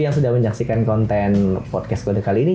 yang sudah menyaksikan konten podcast kode kali ini